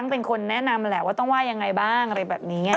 เป็นคนแนะนำแหละว่าต้องว่ายังไงบ้างอะไรแบบนี้